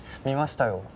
見ましたよ。